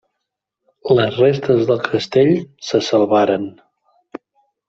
Les restes del castell se salvaren.